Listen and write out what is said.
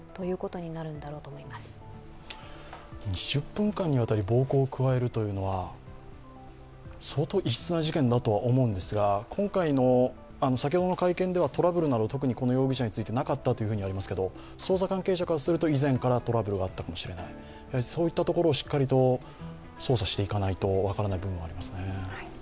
２０分間にわたり暴行を加えるというのは相当、異質な事件だとは思うんですが今回の先ほどの会見ではトラブルなどとこの容疑者にはなかったとありますが、捜査関係者からすると以前からトラブルがあったかもしれない、そういったところをしっかりと捜査していかないと分からない部分がありますね。